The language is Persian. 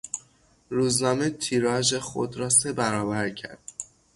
روزنامه تیراژ خود را سه برابر کرد.